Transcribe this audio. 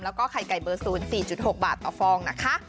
แล้วก็ไข่ไก่เบอร์๐๔๖บาทต่อฟองนะคะ